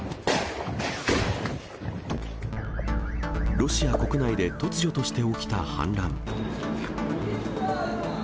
ロシア国内で突如として起きた反乱。